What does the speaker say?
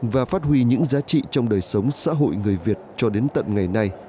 và phát huy những giá trị trong đời sống xã hội người việt cho đến tận ngày nay